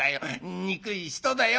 憎い人だよ